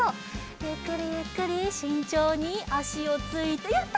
ゆっくりゆっくりしんちょうにあしをついてやった！